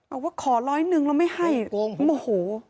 เอาว่าขอร้อยหนึ่งเราไม่ให้โอ้โห